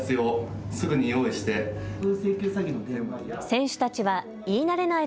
選手たちは言い慣れない